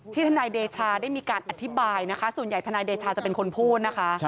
ทนายเดชาได้มีการอธิบายนะคะส่วนใหญ่ทนายเดชาจะเป็นคนพูดนะคะ